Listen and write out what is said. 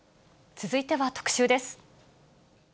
続いては特集です。